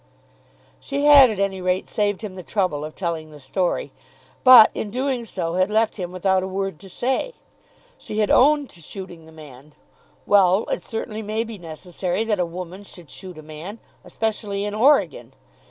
She had at any rate saved him the trouble of telling the story, but in doing so had left him without a word to say. She had owned to shooting the man. Well; it certainly may be necessary that a woman should shoot a man especially in Oregon.